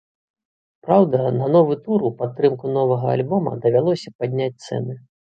Праўда, на новы тур у падтрымку новага альбома давялося падняць цэны.